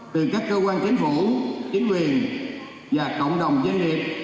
từ các cơ quan chính phủ chính quyền và cộng đồng doanh nghiệp